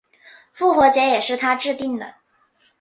复活节也是他制定的。